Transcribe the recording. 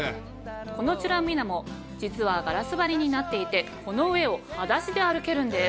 この「ちゅらみなも」実はガラス張りになっていてこの上をはだしで歩けるんです。